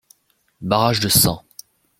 Barrage de St.